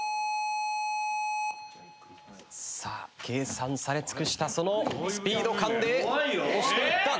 計算され尽くしたそのスピード感で押していった。